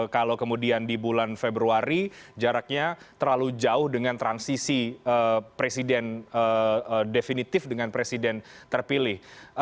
kalau kemudian di bulan februari jaraknya terlalu jauh dengan transisi presiden definitif dengan presiden terpilih